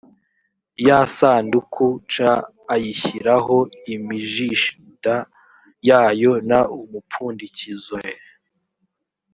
ya sanduku c ayishyiraho imijishid yayo n umupfundikizoe